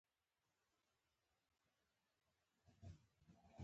پاچا په ملي مسايلو کې له خلکو نظر نه اخلي.